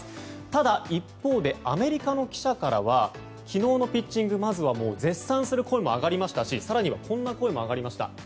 ただ、一方でアメリカの記者からは昨日のピッチング、まずは絶賛する声も上がりましたし更にはこんな声も上がりました。